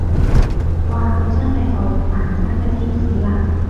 哇佢真係墮入凡間嘅天使啊